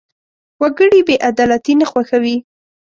وګړي بېعدالتي نه خوښوي.